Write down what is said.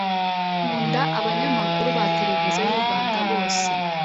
Nkunda abanyamakuru ba televiziyo y’ urwanda bose